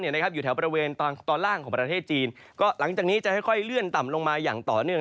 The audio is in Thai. อยู่แถวบริเวณตอนตอนล่างของประเทศจีนก็หลังจากนี้จะค่อยเลื่อนต่ำลงมาอย่างต่อเนื่อง